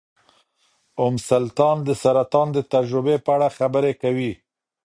ام سلطان د سرطان د تجربې په اړه خبرې کوي.